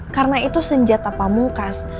karena itu senjata pamungkas